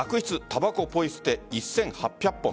たばこのポイ捨て１８００本。